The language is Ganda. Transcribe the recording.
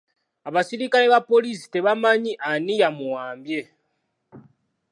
Abaserikale ba poliisi tebamanyi ani yamuwambye.